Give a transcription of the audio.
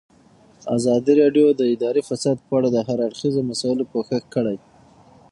ازادي راډیو د اداري فساد په اړه د هر اړخیزو مسایلو پوښښ کړی.